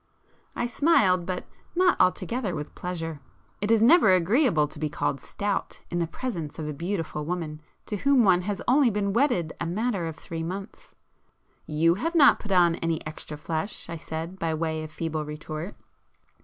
I smiled, but not altogether with pleasure; it is never agreeable to be called 'stout' in the presence of a beautiful woman to whom one has only been wedded a matter of three months. "You have not put on any extra flesh;—" I said, by way of feeble retort.